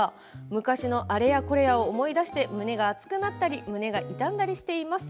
昔のあれこれを思い出して胸が熱くなったり胸が痛んだりしています。